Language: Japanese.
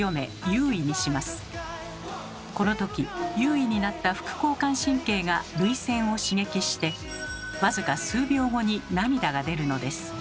このとき優位になった副交感神経が涙腺を刺激して僅か数秒後に涙が出るのです。